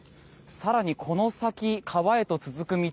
更にこの先、川へと続く道